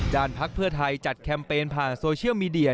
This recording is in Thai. ภักดิ์เพื่อไทยจัดแคมเปญผ่านโซเชียลมีเดีย